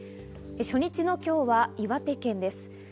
初日の今日は岩手県です。